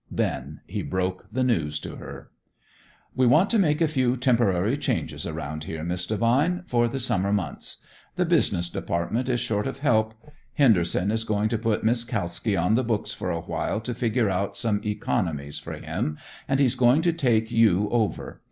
Then he broke the news to her. "We want to make a few temporary changes about here, Miss Devine, for the summer months. The business department is short of help. Henderson is going to put Miss Kalski on the books for a while to figure out some economies for him, and he is going to take you over.